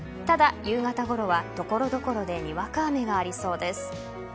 ただ、夕方ごろは所々でにわか雨がありそうです。